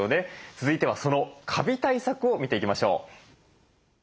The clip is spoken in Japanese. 続いてはそのカビ対策を見ていきましょう。